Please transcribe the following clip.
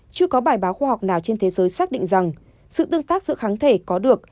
chưa có bài báo khoa học nào trên thế giới xác định rằng sự tương tác giữa kháng thể có được